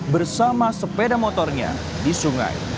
bersama sepeda motornya di sungai